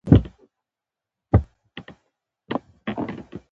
یا هم د برېټانویانو لخوا ټاکل شوي وو.